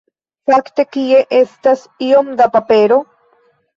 Fakte, kie estas iom da papero?